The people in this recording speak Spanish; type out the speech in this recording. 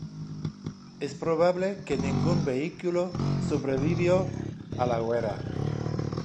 Es probable que ningún vehículo sobrevivió a la guerra.